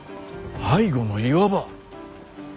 背後の岩場。